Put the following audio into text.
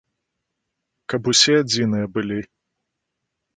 Каб усе адзіныя былі.